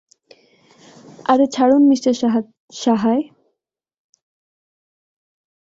আরে ছাড়ুন মিস্টার সাহায়।